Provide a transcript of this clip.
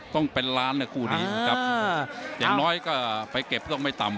ต้องเป็นล้านนะคู่นี้นะครับอย่างน้อยก็ไปเก็บต้องไม่ต่ำ